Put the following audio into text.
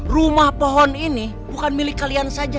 rumah pohon ini bukan milik kalian saja